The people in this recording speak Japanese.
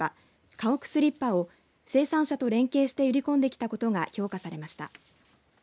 かほくスリッパを生産者と連携して売り込んできたことが評価されました。